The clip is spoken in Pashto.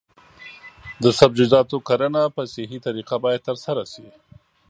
د سبزیجاتو کرنه په صحي طریقه باید ترسره شي.